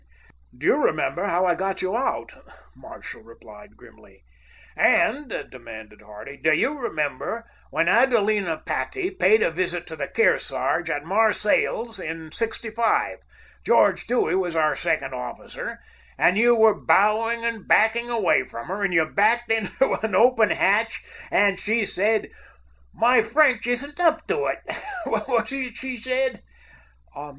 "Do you remember how I got you out?" Marshall replied grimly. "And," demanded Hardy, "do you remember when Adelina Patti paid a visit to the Kearsarge at Marseilles in '65—George Dewey was our second officer—and you were bowing and backing away from her, and you backed into an open hatch, and she said 'my French isn't up to it' what was it she said?"